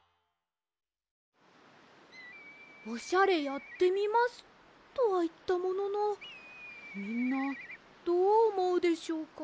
「オシャレやってみます」とはいったもののみんなどうおもうでしょうか？